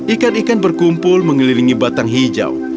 ikan ikan berkumpul mengelilingi batang hijau